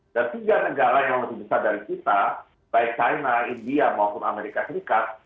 dan tiga negara yang lebih besar dari kita baik china india maupun amerika serikat